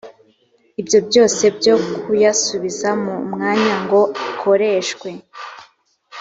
ibyo byose byo kuyasubiza mu mwanya ngo akoreshwe